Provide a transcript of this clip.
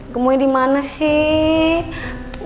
gemoy dimana sih